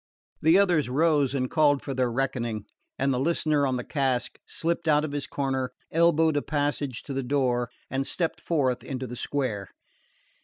The others rose and called for their reckoning; and the listener on the cask slipped out of his corner, elbowed a passage to the door and stepped forth into the square.